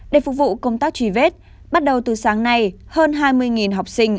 để phục vụ công tác trí viết bắt đầu từ sáng nay hơn hai mươi học sinh